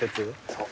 そう。